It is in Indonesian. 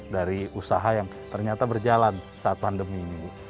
dari usaha yang ternyata berjalan saat pandemi ini